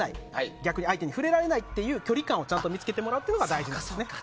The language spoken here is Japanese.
逆に相手に触れられない距離感をちゃんと見つけてもらうことが大事です。